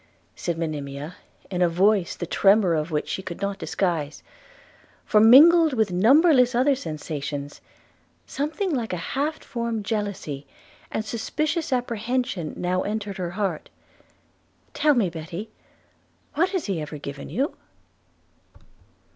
said Monimia, in a voice the tremor of which she could not disguise; for, mingled with numberless other sensations, something like a half formed jealousy and suspicious apprehension now entered her heart – 'tell me, Betty, what has he ever given you?'